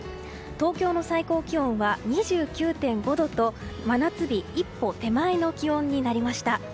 東京の最高気温は２９．５度と真夏日一歩手前の気温になりました。